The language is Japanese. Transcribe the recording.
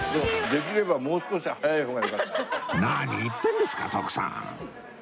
何言ってんですか徳さん！